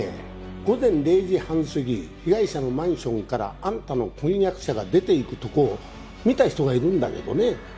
午前０時半過ぎ被害者のマンションからあんたの婚約者が出ていくとこを見た人がいるんだけどね。